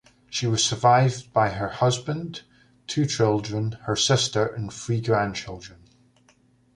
She was survived by her husband, two children, her sister, and three grandchildren.